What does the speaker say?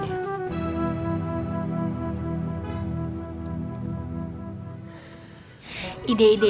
kalo kamu mau ke rumah